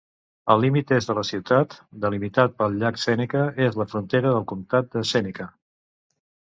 El límit est de la ciutat, delimitat pel llac Seneca, és la frontera del comtat de Sèneca.